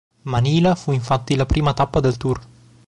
Manila fu infatti la prima tappa del "tour".